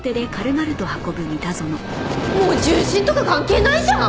もう重心とか関係ないじゃん！